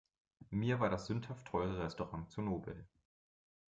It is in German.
Mir war das sündhaft teure Restaurant zu nobel.